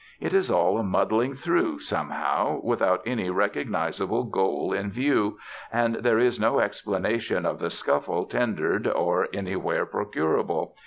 It is all a muddling through, somehow, without any recognizable goal in view, and there is no explanation of the scuffle tendered or anywhere procurable.